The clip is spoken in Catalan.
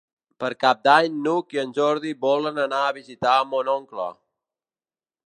Per Cap d'Any n'Hug i en Jordi volen anar a visitar mon oncle.